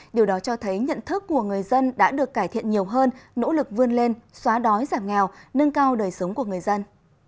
điều đó cho thấy nhận thức của người dân đã được cải thiện nhiều hơn nỗ lực vươn lên xóa đói giảm nghèo nâng cao đời sống của người dân